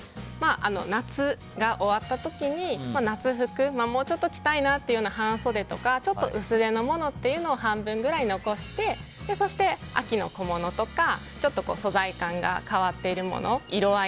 夏が終わった時に、夏服もうちょっと着たいなっていうような半袖とかちょっと薄手のものを半分ぐらい残してそして秋の小物とかちょっと素材感が変わっているもの